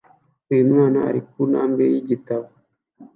Uyu mwana ari ku ntambwe y'ibitabo